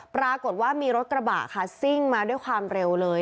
ปรากฏว่ามีรถกระบะค่ะซิ่งมาด้วยความเร็วเลย